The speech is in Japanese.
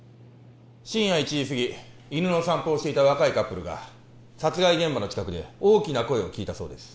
深夜１時すぎ犬の散歩をしていた若いカップルが殺害現場の近くで大きな声を聞いたそうです